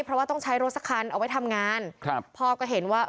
เพราะว่าต้องใช้รถสักคันเอาไว้ทำงานครับพ่อก็เห็นว่า